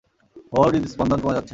ওর হৃদস্পন্দন কমে যাচ্ছে।